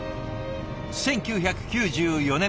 １９９４年